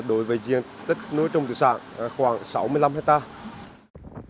đối với diện tích nối trung tự sản khoảng sáu mươi năm hectare